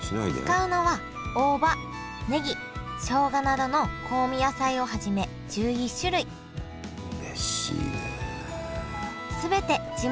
使うのは大葉ねぎしょうがなどの香味野菜をはじめ１１種類うれしいね。